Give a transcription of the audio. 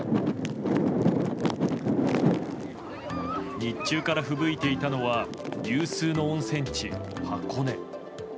日中からふぶいていたのは有数の温泉地・箱根。